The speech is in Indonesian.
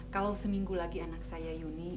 kalau seminggu lagi anak saya yuni